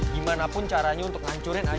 gimanapun caranya untuk ngancurin aj